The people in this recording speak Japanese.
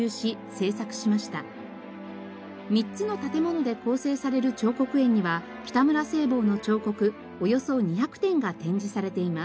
３つの建物で構成される彫刻園には北村西望の彫刻およそ２００点が展示されています。